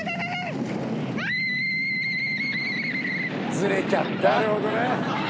ずれちゃったなるほどね